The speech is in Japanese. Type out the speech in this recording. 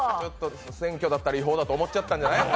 選挙だったら違法だと思っちゃったんじゃない？